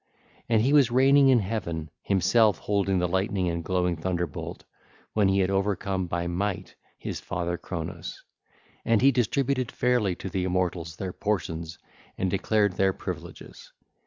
And he was reigning in heaven, himself holding the lightning and glowing thunderbolt, when he had overcome by might his father Cronos; and he distributed fairly to the immortals their portions and declared their privileges.